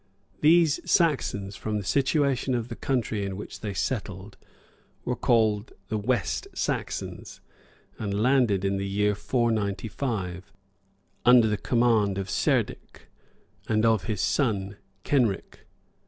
These Saxons, from the situation of the country in which they settled, were called the West Saxons, and landed in the year 495, under the command of Cerdic, and of his son Kenric.